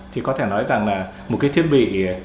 thì có thể nói rằng là một cái thiết bị